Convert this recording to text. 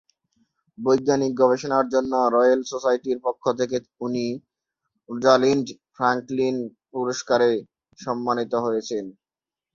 বৈজ্ঞানিক গবেষণার জন্য রয়েল সোসাইটির পক্ষ থেকে উনি রোজালিন্ড ফ্রাঙ্কলিন পুরস্কারে সন্মানিত হয়েছেন।